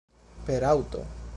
Per aŭto?